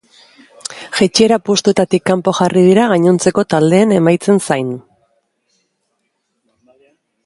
Jaitsiera postuetatik kanpo jarri dira gainontzeko taldeen emaitzen zain.